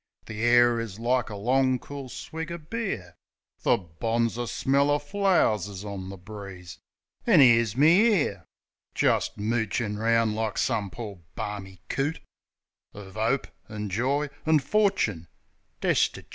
The air is like a long, cool swig o' beer. The bonzer smell o' flow'rs is on the breeze. An' 'ere's me, 'ere, Jist moochin' round like some pore, barmy coot, Of 'ope, an' joy, an' forchin destichoot.